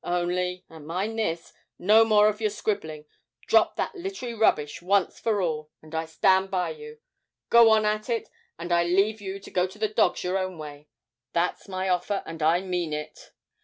Only, and mind this, no more of your scribbling drop that littery rubbish once for all, and I stand by you; go on at it, and I leave you to go to the dogs your own way. That's my offer, and I mean it.'